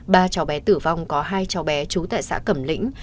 ba cháu bé tử vong có hai cháu bé trú tại xã cẩm lĩnh